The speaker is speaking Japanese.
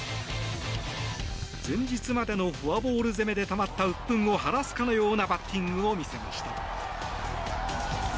前日までのフォアボール攻めでたまったうっ憤を晴らすかのようなバッティングを見せました。